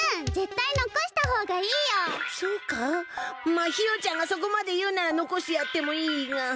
まあひよちゃんがそこまで言うならのこしてやってもいいが。